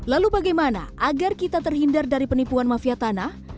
lalu bagaimana agar kita terhindar dari penipuan mafia tanah